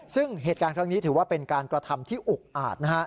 ซึ่งเหตุการณ์ครั้งนี้ถือว่าเป็นการกระทำที่อุกอาจนะฮะ